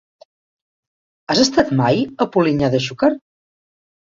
Has estat mai a Polinyà de Xúquer?